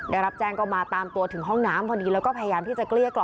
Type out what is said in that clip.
ได้รับแจ้งก็มาตามตัวถึงห้องน้ำพอดีแล้วก็พยายามที่จะเกลี้ยกล่อ